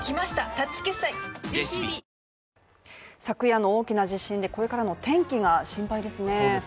昨夜の大きな地震でこれからの天気が心配ですね。